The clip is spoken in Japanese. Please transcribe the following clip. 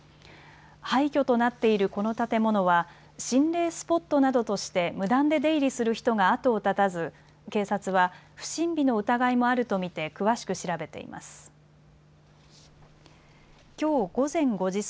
廃虚となっているこの建物は心霊スポットなどとして無断で出入りする人が後を絶たず警察は不審火の疑いもあると見て詳しく調べています。